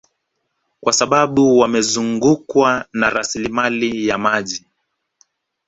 Kwa sababu wamezungukwa na rasilimali ya maji